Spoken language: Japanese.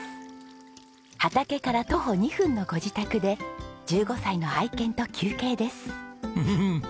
畑から徒歩２分のご自宅で１５歳の愛犬と休憩です。